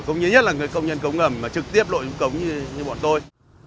cũng như nhất là người công nhân cống ngầm mà trực tiếp lội xuống cống như bọn tôi